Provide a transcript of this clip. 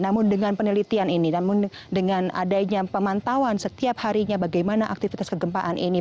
namun dengan penelitian ini namun dengan adanya pemantauan setiap harinya bagaimana aktivitas kegempaan ini